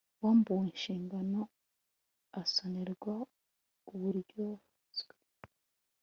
wambuwe inshingano asonerwa uburyozwe